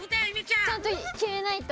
ちゃんときめないと。